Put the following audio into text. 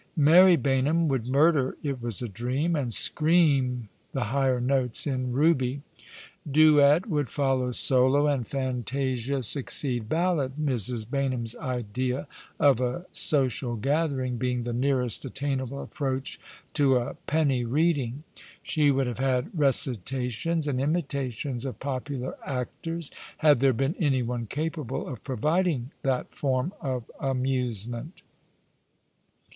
Mary Baynham would murder " It was a dream," and scream the higher notes in " Euby." Duet would follow solo, and fantasia succeed ballad, Mrs. Baynham's idea of a social gathering being the nearest attainable approach to a penny reading. She would have had recitations, and imitations of popular actors, had there been any one capable of proyiding that form of amusement.